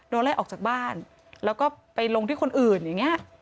ไล่ออกจากบ้านแล้วก็ไปลงที่คนอื่นอย่างนี้